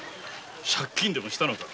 借金でもしたのか？